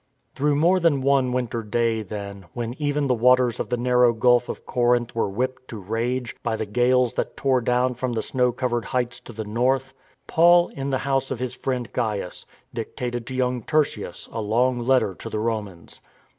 Through more than one winter day, then, when even the waters of the narrow Gulf of Corinth were whipped to rage by the gales that tore down from the snow covered heights to the North, Paul, in the house of his friend Gaius, dictated to young Tertius a long letter to the Romans.